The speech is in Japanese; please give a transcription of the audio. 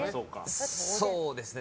そうですね。